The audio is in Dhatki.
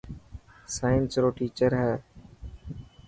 سائنس رو ٽيچر هي.